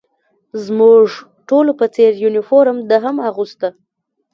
زموږ ټولو په څېر یونیفورم ده هم اغوسته.